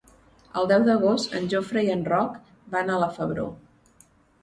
El deu d'agost en Jofre i en Roc van a la Febró.